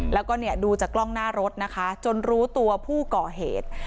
แล้วก็เนี่ยดูจากกล้องหน้ารถนะคะจนรู้ตัวผู้ก่อเหตุ